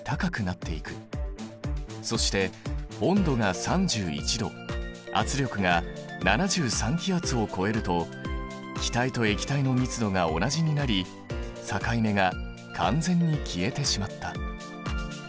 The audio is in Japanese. そして温度が３１℃圧力が７３気圧を超えると気体と液体の密度が同じになり境目が完全に消えてしまった。